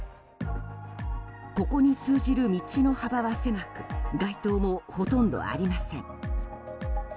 ここに通じる道の幅は狭く街灯もほとんどありません。